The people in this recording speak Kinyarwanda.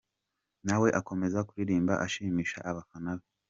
nawe akomeza kuririmba ashimisha abafana be.